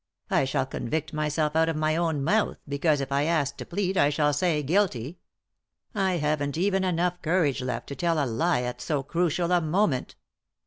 I shall convict myself out of my own mouth, because, if asked to plead, I shall say 'Guilty/ I haven't even enough courage left to tell a lie at so crucial a moment."